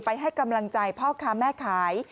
ให้กำลังใจพ่อค้าแม่ขาย